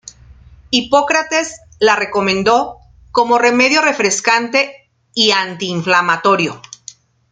Hipócrates la recomendó como remedio refrescante y antiinflamatorio.